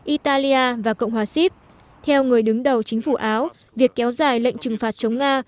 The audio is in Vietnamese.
italia và cộng hòa sip theo người đứng đầu chính phủ áo việc kéo dài lệnh trừng phạt chống nga